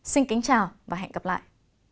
xin kính chào và hẹn gặp lại